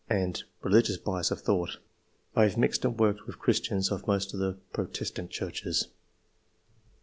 and) religious bias of thought. I have mixed and worked with Christians of most of the Protestant Churches."